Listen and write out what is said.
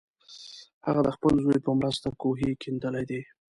هغه د خپل زوی په مرسته کوهی کیندلی دی.